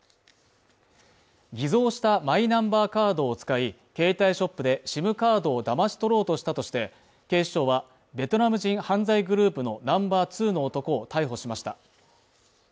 偽造したマイナンバーカードを使い、携帯ショップでＳＩＭカードをだまし取ろうとしたとして、警視庁は、ベトナム人犯罪グループのナンバー２の男を逮捕しました。